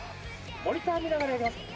モニター見ながらやりますか？